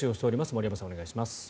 森山さん、お願いします。